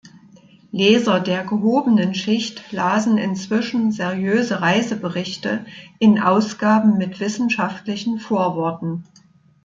Leser der gehobenen Schicht lasen inzwischen seriöse Reiseberichte in Ausgaben mit wissenschaftlichen Vorworten.